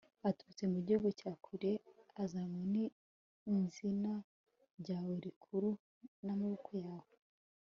aturutse mu gihugu cya kure, azanywe n'izina ryawe rikuru, n'amaboko yawe